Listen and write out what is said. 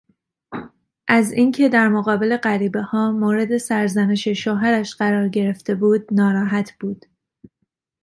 از اینکه در مقابل غریبهها مورد سرزنش شوهرش قرار گرفته بود ناراحت بود.